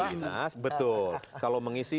dinas betul kalau mengisi